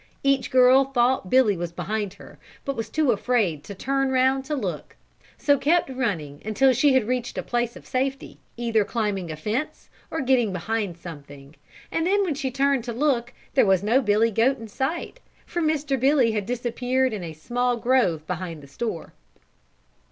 Each girl thought Billy was behind her, but was too afraid to turn round to look, so kept running until she had reached a place of safety, either climbing a fence or getting behind something; and then when she turned to look there was no Billy Goat in sight, for Mr. Billy had disappeared in a small grove behind the store.